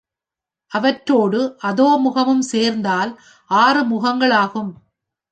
அவற்றோடு அதோமுகமும் சேர்ந்தால் ஆறு முகங்களாகும்.